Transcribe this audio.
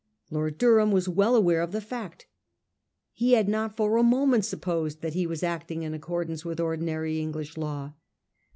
Lord Durham was well aware of the fact. He had not for a moment supposed that he was acting in accordance with ordinary English law.